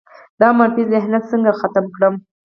دا منفي ذهنیت څنګه ختم کړو؟